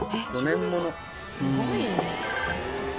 すごいね。